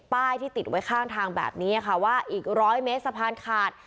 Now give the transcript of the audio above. ป้ายที่ติดไว้ข้างทางแบบนี้ค่ะว่าอีกร้อยเมตรสะพานขาด